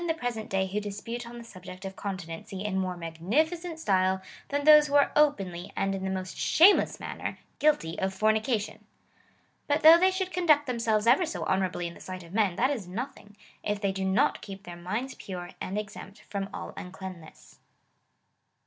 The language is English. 263 same time, there are none in tlie present day wlio disjjute on the subject of continency in more magnificent style than those who are openly and in the most shameless manner guilty of fornication. But though they should conduct them selves ever so honourably in the sight of men, that is nothing, if they do not keej) their minds pure and exempt from all uncleanness.